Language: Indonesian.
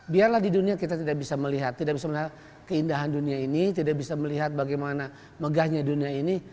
biarlah di dunia kita tidak bisa melihat tidak bisa melihat keindahan dunia ini tidak bisa melihat bagaimana megahnya dunia ini